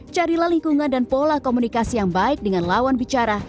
carilah lingkungan dan pola komunikasi yang baik dengan lawan bicara